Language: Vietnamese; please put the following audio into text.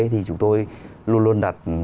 thì chúng tôi luôn luôn đặt